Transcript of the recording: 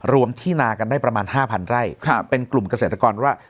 รวมที่นากันได้ประมาณ๕๐๐ไร่เป็นกลุ่มเกษตรกรว่า